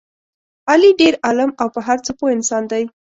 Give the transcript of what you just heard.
علي ډېر عالم او په هر څه پوه انسان دی.